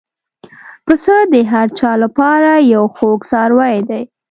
پسه د هر چا له پاره یو خوږ څاروی دی.